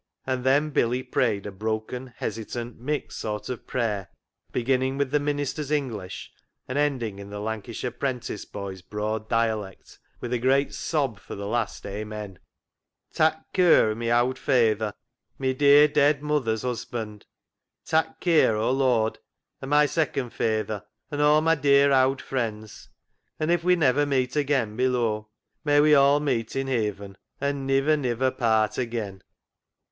And then Billy prayed a broken, hesitant, mixed sort of prayer, beginning with the minister's English and ending in the Lanca shire 'prentice boy's broad dialect, with a great sob for the last " Amen." " Tak' care o' my owd fayther, my dear, dead muther's husband. Tak' care, O Lord, o' my second fayther, and all my dear owd frien's, and if we never meet again below, may we all meet in he e e ven and * niver, niver part again.'